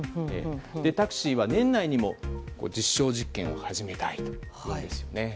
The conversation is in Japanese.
タクシーは、年内にも実証実験を始めたいというんですよね。